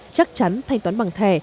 chắc chắn thanh toán bằng thẻ